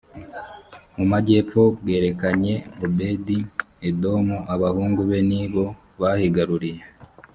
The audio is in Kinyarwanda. mu majyepfo bwerekanye obedi edomu abahungu be ni bo bahigaruriye